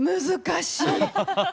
難しい！